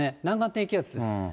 南岸低気圧です。